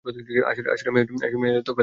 আসল মেয়র তো ফ্যালকোন নিজে।